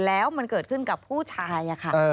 แล้วมันเกิดขึ้นกับผู้ชายค่ะ